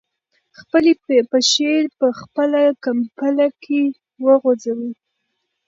خپلې پښې په خپله کمپله کې وغځوئ.